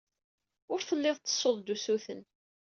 Ur telliḍ tettessuḍ-d usuten.